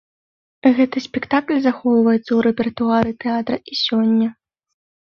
Гэты спектакль захоўваецца ў рэпертуары тэатра і сёння.